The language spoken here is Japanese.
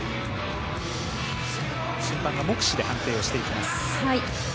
審判が目視で判定していきます。